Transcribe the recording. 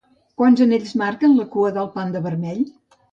Quants anells marquen la cua del panda vermell?